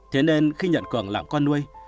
thế nên khi nhận cường làm con nuôi